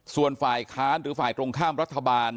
ส่วนฝ่ายค้านหรือฝ่ายตรงข้ามรัฐบาล